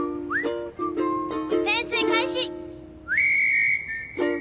潜水開始。